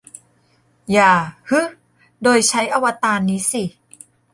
อย่า 'ฮึ' โดยใช้อวตารนี้สิ